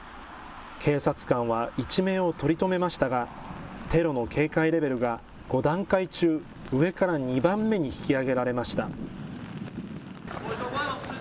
警察官は一命を取り留めましたが、テロの警戒レベルが５段階中、上から２番目に引き上げられました。